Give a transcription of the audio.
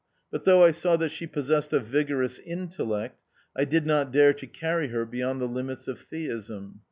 But though I saw that she possessed a vigorous intellect, I did not dare to carry her beyond the limits of Theism.